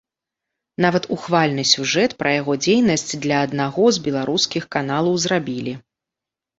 Нават ухвальны сюжэт пра яго дзейнасць для аднаго з беларускіх каналаў зрабілі.